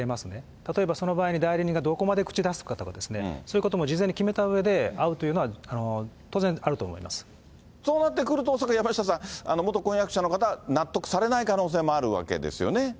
例えば、その場合に代理人がどこまで口出すかとかですね、そういうことも事前に決めたうえで、会うというのは、そうなってくると、山下さん、元婚約者の方、納得されない可能性もあるわけですよね。